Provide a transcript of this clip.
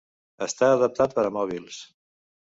Està adaptat per a mòbils.